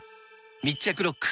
密着ロック！